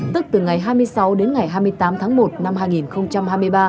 tức từ ngày hai mươi sáu đến ngày hai mươi tám tháng một năm hai nghìn hai mươi ba